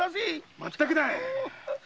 まったくだ。